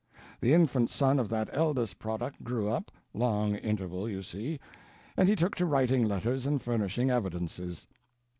The infant son of that eldest product grew up—long interval, you see—and he took to writing letters and furnishing evidences.